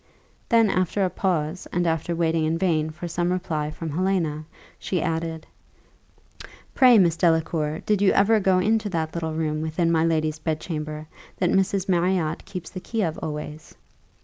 Then after a pause, and after waiting in vain for some reply from Helena, she added, "Pray, Miss Delacour, did you ever go into that little room within my lady's bedchamber, that Mrs. Marriott keeps the key of always?"